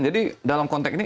jadi dalam konteks ini